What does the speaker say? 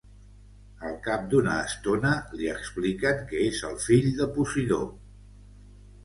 Al cap d'una estona, li expliquen que és el fill de Posidó.